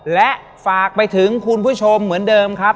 และฝากไปถึงคุณผู้ชมเหมือนเดิมครับ